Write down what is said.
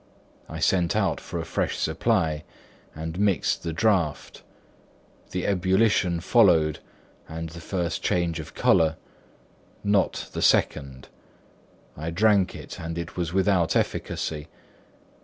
I sent out for a fresh supply and mixed the draught; the ebullition followed, and the first change of colour, not the second; I drank it and it was without efficiency.